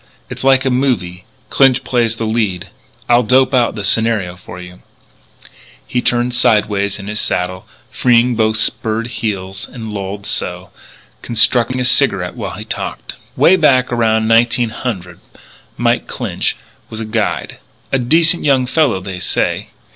It's like a movie. Clinch plays the lead. I'll dope out the scenario for you " He turned sideways in his saddle, freeing both spurred heels and lolled so, constructing a cigarette while he talked: "Way back around 1900 Mike Clinch was a guide a decent young fellow they say.